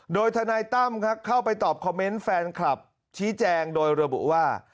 โดยทนายตั้มครับเข้าไปตอบคอมเมนต์แฟนคลับชี้แจงโดยระบุว่า